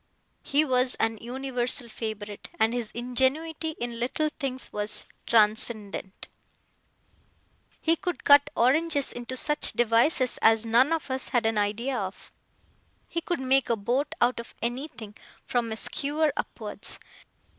He was an universal favourite, and his ingenuity in little things was transcendent. He could cut oranges into such devices as none of us had an idea of. He could make a boat out of anything, from a skewer upwards.